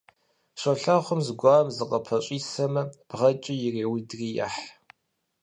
Щолэхъум зыгуэрым зыкъыпэщӀисэмэ, бгъэкӀэ иреудри ехь.